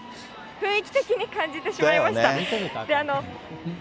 雰囲気的に感じてしまいました。